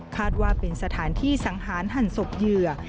ว่าเป็นสถานที่สังหารหั่นศพเหยื่อ